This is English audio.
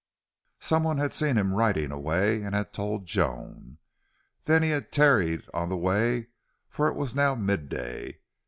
Someone had seen him riding away and had told Joan. Then he had tarried on the way, for it was now midday.